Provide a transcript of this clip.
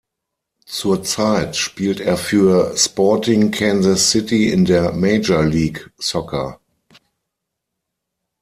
Zurzeit spielt er für Sporting Kansas City in der Major League Soccer.